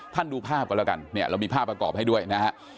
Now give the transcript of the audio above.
ดูภาพกันแล้วกันเนี่ยเรามีภาพประกอบให้ด้วยนะฮะ